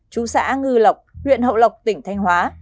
chú xã ngư lọc huyện hậu lọc tỉnh thanh hóa